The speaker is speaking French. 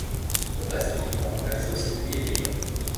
Le reste du temps, l'accès au circuit est payant.